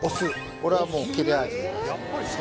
これはもう切れ味ですね